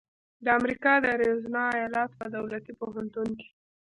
د امریکا د اریزونا ایالت په دولتي پوهنتون کې